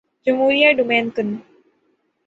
جمہوریہ ڈومینیکن